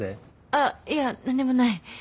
あっいや何でもない。